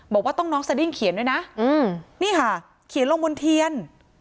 บอกว่าต้องน้องสดิ้งเขียนด้วยนะนี่ค่ะเขียนลงบนเทียน